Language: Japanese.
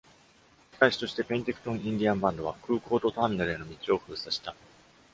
仕返しとして、ペンティクトン・インディアン・バンドは、空港とターミナルへの道を封鎖した。